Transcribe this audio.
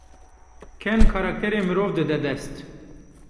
Ken, karakterê mirov dide dest.